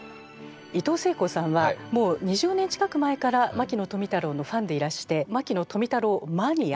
いとうせいこうさんはもう２０年近く前から牧野富太郎のファンでいらして牧野富太郎マニアと。